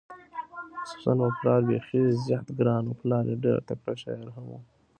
خصوصا په پلار بېخي زیات ګران و، پلار یې ډېر تکړه شاعر هم و،